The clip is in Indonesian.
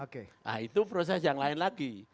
nah itu proses yang lain lagi